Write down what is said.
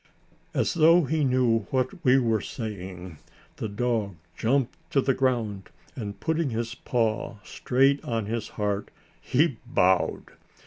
As though he knew what we were saying, the dog jumped to the ground and putting his paw straight on his heart, he bowed.